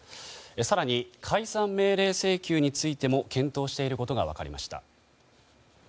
更に、解散命令請求についても検討していることが分かりました。